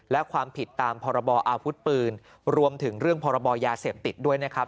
และความผิดตามพรบออาวุธปืนรวมถึงเรื่องพรบยาเสพติดด้วยนะครับ